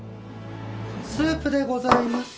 スープでございます。